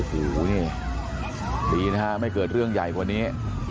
โอ้โหนี่ดีนะฮะไม่เกิดเรื่องใหญ่กว่านี้